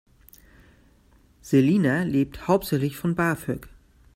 Selina lebt hauptsächlich von BAföG.